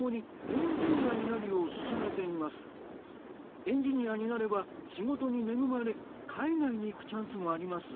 エンジニアになれば仕事に恵まれ海外に行くチャンスもあります。